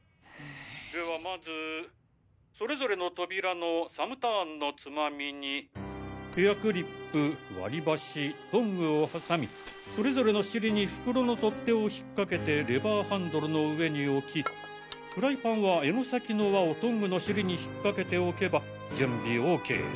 ではまずそれぞれの扉のサムターンのつまみにヘアクリップ割り箸トングをはさみそれぞれの尻に袋の取っ手を引っかけてレバーハンドルの上におきフライパンは柄の先の輪をトングの尻にひっかけておけば準備ＯＫ。